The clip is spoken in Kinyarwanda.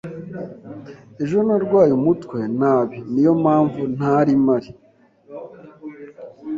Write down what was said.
Ejo narwaye umutwe nabi. Niyo mpamvu ntari mpari.